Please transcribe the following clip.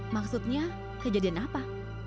maksudnya kejadian apa